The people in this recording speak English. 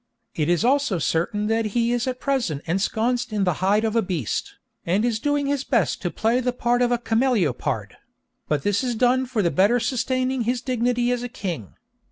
It is also certain that he is at present ensconced in the hide of a beast, and is doing his best to play the part of a cameleopard; but this is done for the better sustaining his dignity as king.